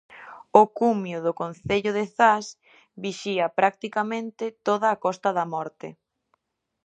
O cumio do concello de Zas vixía practicamente toda a Costa da Morte.